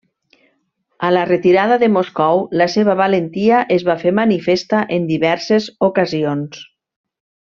A la retirada de Moscou, la seva valentia es va fer manifesta en diverses ocasions.